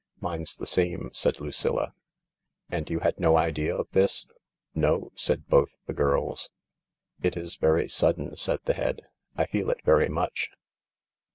"Mine's the same," said Lucilla. " And you had no idea of this ?" "No," said both the girls. " It is very sudden," said the Head. " I feel it very much."